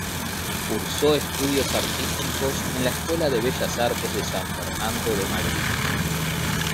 Cursó estudios artísticos en la Escuela de Bellas Artes de San Fernando de Madrid.